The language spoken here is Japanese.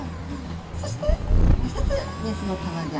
そしてもう一つ雌のたまギョ。